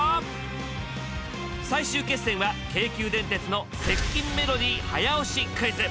最終決戦は京急電鉄の接近メロディ早押しクイズ。